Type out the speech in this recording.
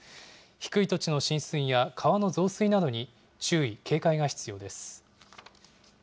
低い土地の浸水や川の増水などに注意、警戒が必要です。